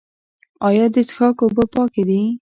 آیا د څښاک اوبه پاکې دي؟